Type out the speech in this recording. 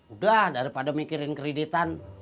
udah daripada mikirin kreditan